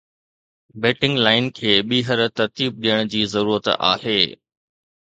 batting line کي ٻيهر ترتيب ڏيڻ جي ضرورت آهي